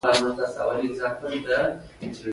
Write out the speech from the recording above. غر څه هر څومره لوړ وی په سر ئي لاره وی